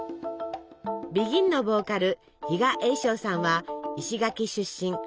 ＢＥＧＩＮのボーカル比嘉栄昇さんは石垣出身。